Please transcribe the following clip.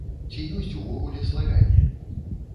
Ці ёсць увогуле славяне?